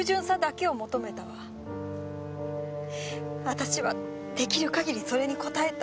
私は出来る限りそれに応えた。